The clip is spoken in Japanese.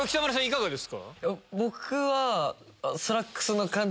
いかがですか？